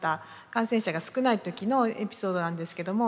感染者が少ない時のエピソードなんですけども。